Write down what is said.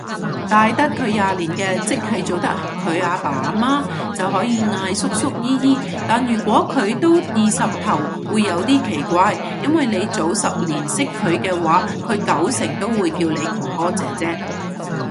大得佢廿年嘅，即係做得佢阿爸阿媽，就可以嗌叔叔姨姨，但如果佢都二十頭會有啲奇怪，因為你早十年識佢嘅話佢九成會叫你哥哥姐姐